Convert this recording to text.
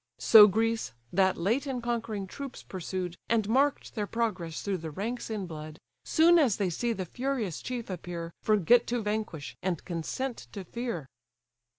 So Greece, that late in conquering troops pursued, And mark'd their progress through the ranks in blood, Soon as they see the furious chief appear, Forget to vanquish, and consent to fear.